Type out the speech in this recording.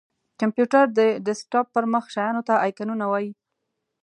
کمپېوټر:د ډیسکټاپ پر مخ شېانو ته آیکنونه وایې!